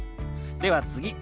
では次。